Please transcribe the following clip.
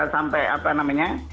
sampai apa namanya